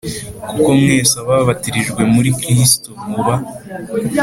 kuko mwese ababatirijwe muri Kristo muba